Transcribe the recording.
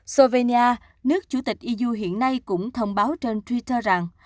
slovenia nước chủ tịch eu hiện nay cũng thông báo trên twitter rằng